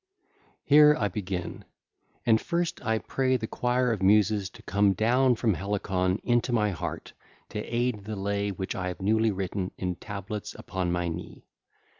1 8) Here I begin: and first I pray the choir of the Muses to come down from Helicon into my heart to aid the lay which I have newly written in tablets upon my knee.